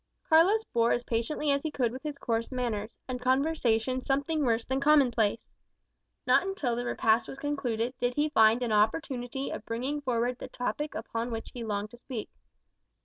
Carlos bore as patiently as he could with his coarse manners, and conversation something worse than commonplace. Not until the repast was concluded did he find an opportunity of bringing forward the topic upon which he longed to speak.